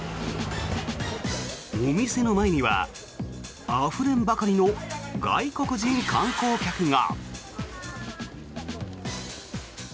お店の前にはあふれんばかりの外国人観光客が。